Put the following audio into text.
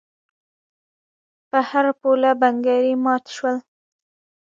په هر پوله بنګړي مات شول.